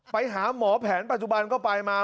ไปหาหมอแผนปัจจุบันก็ไปมา